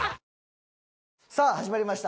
さあ始まりました。